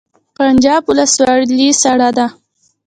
پنجاب ولسوالۍ سړه ده؟